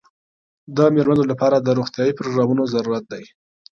د مېرمنو لپاره د روغتیايي پروګرامونو ضرورت دی.